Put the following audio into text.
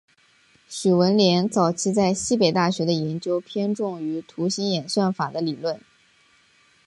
许闻廉早期在西北大学的研究偏重于图形演算法的理论。